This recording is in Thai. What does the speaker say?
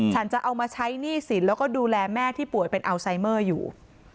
จะเอามาใช้หนี้สินแล้วก็ดูแลแม่ที่ป่วยเป็นอัลไซเมอร์อยู่